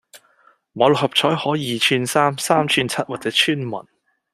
買六合彩可二串三、三串七或者穿雲